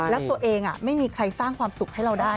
แล้วตัวเองไม่มีใครสร้างความสุขให้เราได้